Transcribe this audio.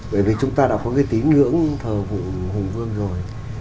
bởi vì chúng ta đã có cái tín ngưỡng thờ vụ hùng vương rồi